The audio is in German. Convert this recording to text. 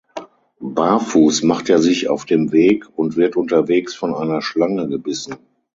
Barfuß macht er sich auf dem Weg und wird unterwegs von einer Schlange gebissen.